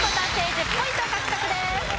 １０ポイント獲得です。